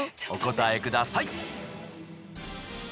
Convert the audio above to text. お答えください。